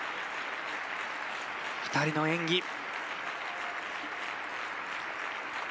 ２人の演技。